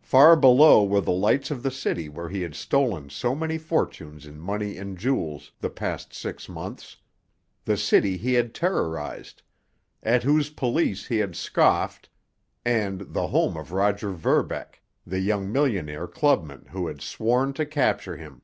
Far below were the lights of the city where he had stolen so many fortunes in money and jewels the past six months, the city he had terrorized, at whose police he had scoffed, and the home of Roger Verbeck, the young millionaire clubman who had sworn to capture him.